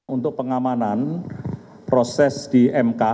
untuk pengamanan proses di mk